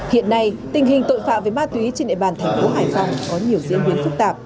hiện nay tình hình tội phạm về ma túy trên địa bàn thành phố hải phòng có nhiều diễn biến phức tạp